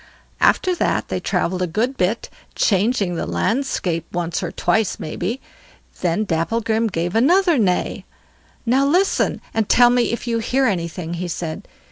After that they travelled a good bit, changing the landscape once or twice, maybe. Then Dapplegrim gave another neigh. "Now listen, and tell me if you hear anything", he said.